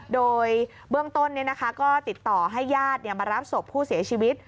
โดยเบื้องต้นก็ติดต่อให้ญาติมารับศพผู้เสียชีวิต